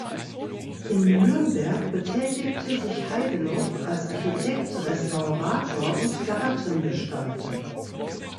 In Nürnberg betätigte sich Heideloff als Architekt, Restaurator und Gartengestalter.